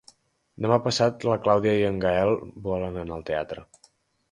Demà passat na Clàudia i en Gaël volen anar al teatre.